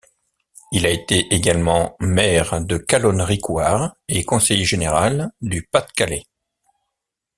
Il a également été maire de Calonne-Ricouart et conseiller général du Pas-de-Calais.